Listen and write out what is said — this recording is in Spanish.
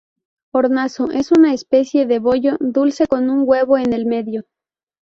Hornazo: es una especie de bollo dulce con un huevo en el medio.